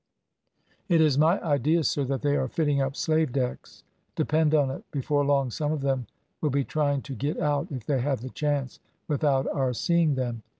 "It is my idea, sir, that they are fitting up slave decks. Depend on it, before long some of them will be trying to get out, if they have the chance, without our seeing them.